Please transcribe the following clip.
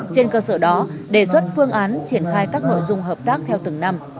trên cơ sở đó đề xuất phương án triển khai các nội dung hợp tác theo từng năm